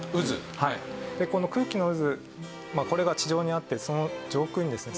でこの空気の渦これが地上にあってその上空にですね